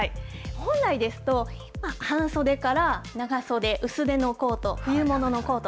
本来ですと、半袖から長袖、薄手のコート、冬物のコート。